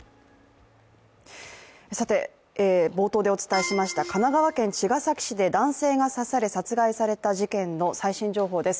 冒頭でお伝えしました神奈川県茅ヶ崎市で男性が刺され殺害された事件の最新情報です。